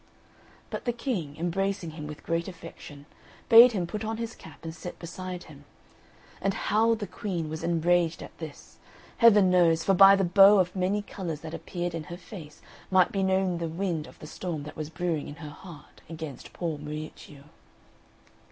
But the King, embracing him with great affection, bade him put on his cap and sit beside him; and how the Queen was enraged at this, Heaven knows, for by the bow of many colours that appeared in her face might be known the wind of the storm that was brewing in her heart against poor Miuccio.